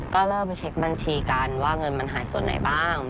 ก็เริ่มเช็คบัญชีกันว่าเงินมันหายส่วนไหนบ้าง